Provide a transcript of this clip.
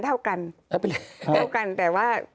เอ๊ะเป็นไรครับเท่ากันแต่ว่า